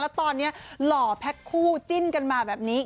แล้วตอนนี้หล่อแพ็คคู่จิ้นกันมาแบบนี้